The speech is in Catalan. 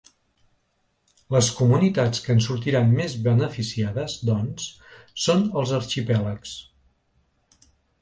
Les comunitats que en sortiran més beneficiades, doncs, són els arxipèlags.